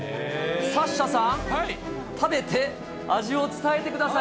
サッシャさん、食べて、味を伝えてください。